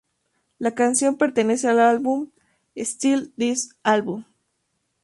La canción pertenece al álbum Steal This Album!